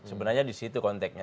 sebenarnya di situ konteknya